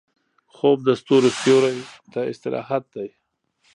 خوب د ستوريو سیوري ته استراحت دی